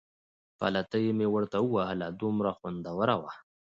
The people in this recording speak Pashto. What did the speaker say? پلتۍ مې ورته ووهله، دومره خوندوره وه.